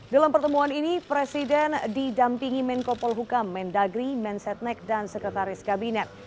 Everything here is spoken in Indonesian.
dalam pertemuan ini presiden didampingi menko polhukam men dagri men setnek dan sekretaris kabinet